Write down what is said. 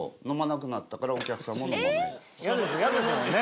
嫌ですもんね